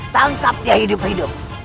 tangkap dia hidup hidup